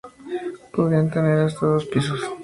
Podían tener hasta dos pisos.